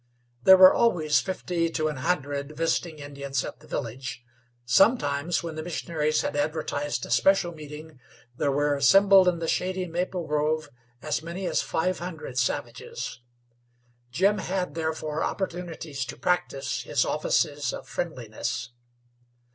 There were always fifty to an hundred visiting Indians at the village; sometimes, when the missionaries had advertised a special meeting, there were assembled in the shady maple grove as many as five hundred savages. Jim had, therefore, opportunities to practice his offices of friendliness.